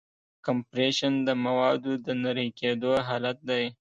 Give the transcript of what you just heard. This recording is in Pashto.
کمپریشن د موادو د نری کېدو حالت دی.